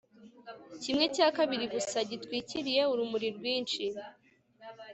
Kimwe cya kabiri gusa gitwikiriye urumuri rwinshi